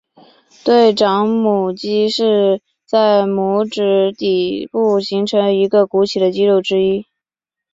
对掌拇肌是在拇指底部形成一个鼓起的肌肉之一。